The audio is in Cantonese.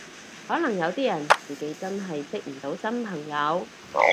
可能有啲人自己真係識唔到新朋友